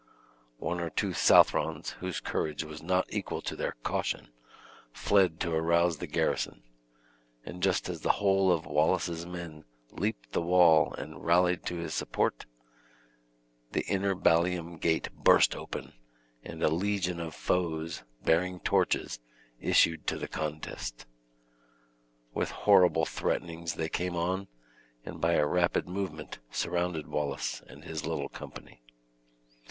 One or two Southrons, whose courage was not equal to their caution, fled to arouse the garrison, and just as the whole of Wallace's men leaped the wall and rallied to his support, the inner ballium gate burst open, and a legion of foes, bearing torches, issued to the contest. With horrible threatenings, they came on, and by a rapid movement surrounded Wallace and his little company.